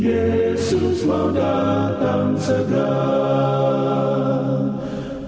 yesus mau datang sedang